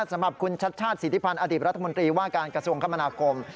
สำหรับคุณชัดชาติสิทธิพันธ์อดีตรัฐมนตรีว่าการกระทรวงคมนาคม